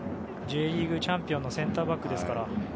Ｊリーグチャンピオンのセンターバックですから。